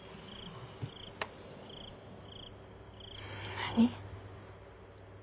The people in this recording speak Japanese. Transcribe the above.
何？